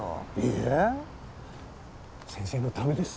いえ先生のためです。